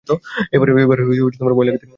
এবার ভয় লাগাতে পারবে না।